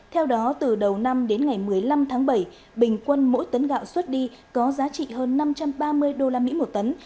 theo đó từ đầu năm đến ngày một mươi năm tháng bảy bình quân mỗi tấn gạo xuất đi có giá trị hơn năm trăm ba mươi usd một tấn